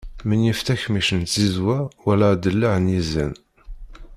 Menyif takemmict n tzizwa wala aḍellaɛ n yizan.